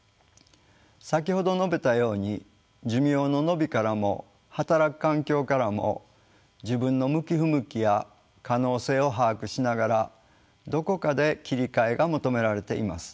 先ほど述べたように寿命の延びからも働く環境からも自分の向き不向きや可能性を把握しながらどこかで切り替えが求められています。